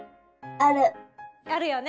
あるよね。